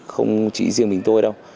không chỉ riêng mình tôi đâu